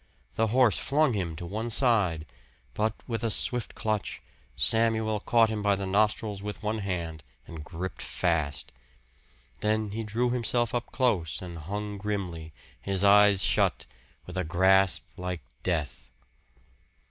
The horse flung him to one side; but with a swift clutch, Samuel caught him by the nostrils with one hand, and gripped fast. Then he drew himself up close and hung grimly, his eyes shut, with a grasp like death.